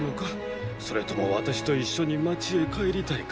それとも私と一緒に街へ帰りたいか？